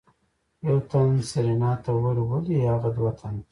يو تن سېرېنا ته وويل ولې اغه دوه تنه.